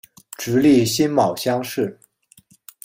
直隶辛卯乡试。